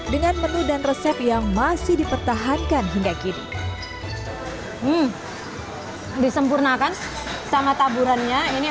dengan menu dan resep yang masih dipertahankan hingga kini disempurnakan sama taburannya ini